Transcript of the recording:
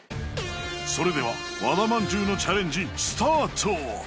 それでは和田まんじゅうのチャレンジスタート！